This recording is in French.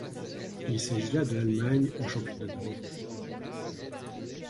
Il s'agit de la de l'Allemagne aux Championnats d'Europe.